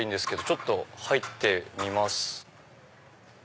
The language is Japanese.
ちょっと入ってみます。